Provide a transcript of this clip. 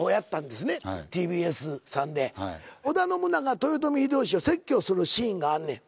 豊臣秀吉を説教するシーンがあんねん。